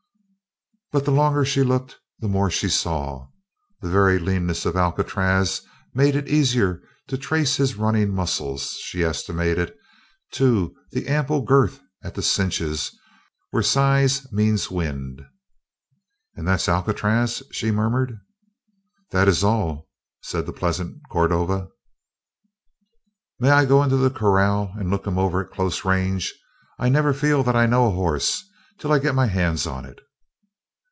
But the longer she looked the more she saw. The very leanness of Alcatraz made it easier to trace his running muscles; she estimated, too, the ample girth at the cinches where size means wind. "And that's Alcatraz?" she murmured. "That is all," said the pleasant Cordova. "May I go into the corral and look him over at close range? I never feel that I know a horse till I get my hands on it."